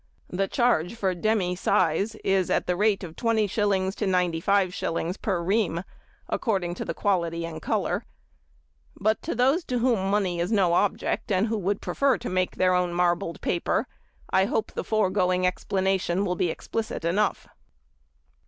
The charge for demy size is at the rate of 20_s._ to 95_s._ per ream, according to the quality and colour; but to those to whom money is no object, and who would prefer to make their own marbled paper, I hope the foregoing explanation will be explicit enough.